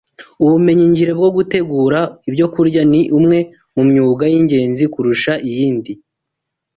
Ubumenyingiro bwo gutegura ibyokurya ni umwe mu myuga y’ingenzi kurusha iyindi